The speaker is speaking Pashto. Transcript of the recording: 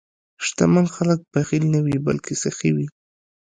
شتمن خلک بخیل نه وي، بلکې سخي وي.